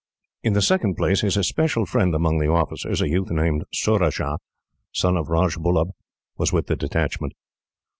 In the second place, his especial friend among the officers, a youth named Surajah, son of Rajbullub, was with the detachment.